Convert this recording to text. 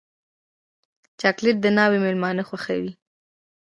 چاکلېټ د ناوې مېلمانه خوښوي.